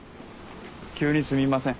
急にすみません。